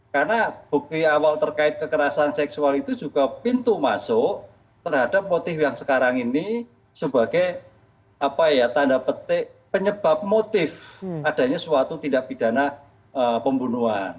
karena bukti awal terkait kekerasan seksual itu juga pintu masuk terhadap motif yang sekarang ini sebagai apa ya tanda petik penyebab motif adanya suatu tindak pidana pembunuhan